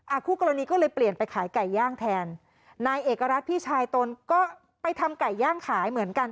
คู่กรณีก็เลยเปลี่ยนไปขายไก่ย่างแทนนายเอกรัฐพี่ชายตนก็ไปทำไก่ย่างขายเหมือนกัน